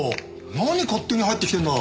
何勝手に入ってきてんだ！